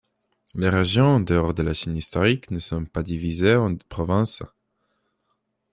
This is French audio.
Les régions en dehors de la Chine historique ne sont pas divisées en provinces.